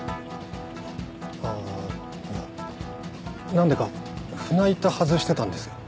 何でか船板外してたんですよ。